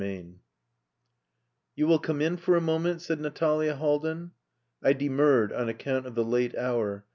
III "You will come in for a moment?" said Natalia Haldin. I demurred on account of the late hour.